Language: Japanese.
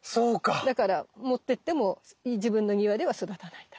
だから持ってっても自分の庭では育たないんだ。